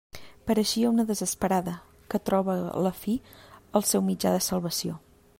Pareixia una desesperada que troba a la fi el seu mitjà de salvació.